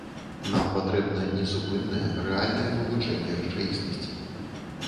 Нам патрэбна несупыннае рэальнае вывучэнне рэчаіснасці.